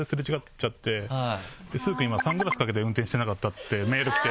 「崇勲今サングラスかけて運転してなかった？」ってメールきて。